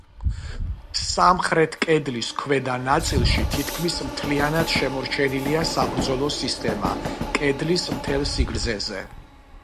სამხრეთ კედლის ქვედა ნაწილში თითქმის მთლიანად შემორჩენილია საბრძოლო სისტემა კედლის მთელ სიგრძეზე.